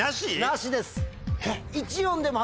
なしです。